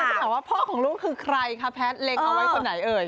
จะถามว่าพ่อของลูกคือใครคะแพทย์เล็งเอาไว้คนไหนเอ่ย